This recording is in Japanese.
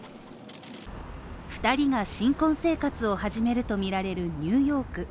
２人が新婚生活を始めるとみられるニューヨーク。